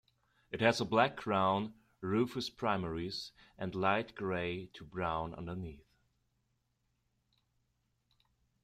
It has a black crown, rufous primaries, and light gray to brown underneath.